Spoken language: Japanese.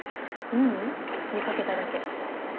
ううん見掛けただけ。